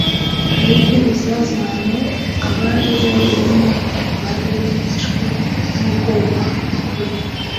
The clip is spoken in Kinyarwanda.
n'ibyo bizazane abari bayarimo bari bafashwe n'ubwoba no kwiheba.